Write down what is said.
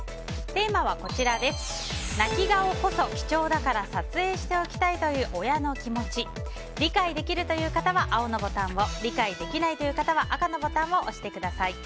テーマは泣き顔こそ貴重だから撮影しておきたいという親の気持ち理解できるという方は青のボタンと理解できないという方は赤のボタンを押してください。